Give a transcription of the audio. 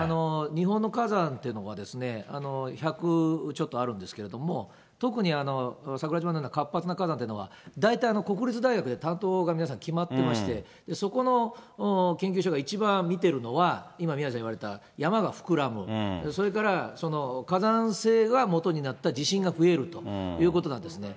日本の火山っていうのは、１００ちょっとあるんですけれども、特に桜島のような活発な火山っていうのは、大体、国立大学で担当が皆さん決まってまして、そこの研究所が一番見てるのは、今宮根さん言われた、山が膨らむ、それから、火山性がもとになった地震が増えるということなんですね。